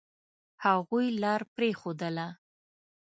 هغوی لار پرېښودله.